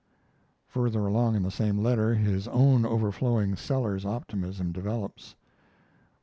Further along in the same letter his own overflowing Seller's optimism develops.